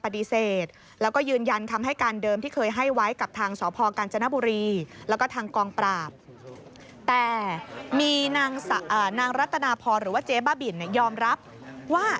แต่มีนางรัตนาพอร์หรือว่าเจ๊บ้าบิดยอมรับว่า